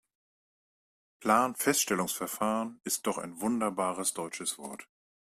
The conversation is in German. Planfeststellungsverfahren ist doch ein wunderbares deutsches Wort.